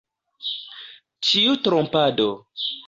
Ĉiu trompado!